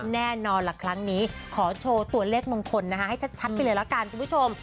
แน่นอนล่ะครั้งนี้ขอโชว์ตัวเลขมงคลนะคะให้ชัดไปเลยละกันคุณผู้ชม